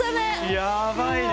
やばいね！